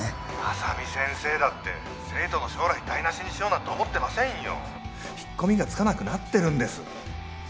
☎浅見先生だって生徒の将来台なしにしようなんて思ってない引っ込みがつかなくなってるんです